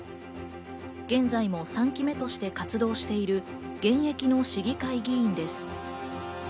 現在も３期目として活動している現役の市議会議員です。